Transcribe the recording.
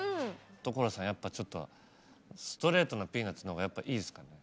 所さんやっぱちょっとストレートなピーナッツのほうがやっぱいいですかね？